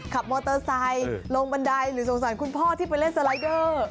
ขับมอเตอร์ไซค์ลงบันไดหรือสงสารคุณพ่อที่ไปเล่นสไลเดอร์